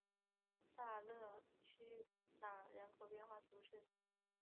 萨勒屈朗人口变化图示